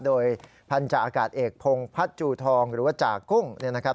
โดยพันธาอากาศเอกพงพัฒน์จูทองหรือว่าจากกุ้งเนี่ยนะครับ